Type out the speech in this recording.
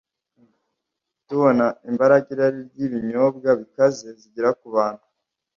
Tubona imbaraga irari ry’ibinyobwa bikaze zigira ku bantu;